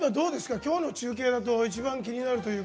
今日の中継で一番気になるというか。